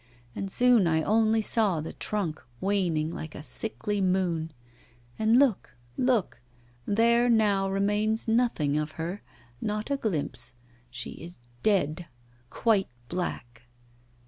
And soon I only saw the trunk waning like a sickly moon. And look, look! there now remains nothing of her, not a glimpse; she is dead, quite black!